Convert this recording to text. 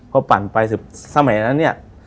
ก็ปั่นไป๑๐สมัยนั้นเนี่ย